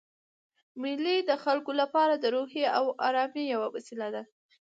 مېلې د خلکو له پاره د روحي آرامۍ یوه وسیله ده.